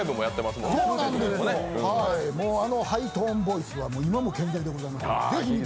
もうハイトーンボイスは今も健在でございます。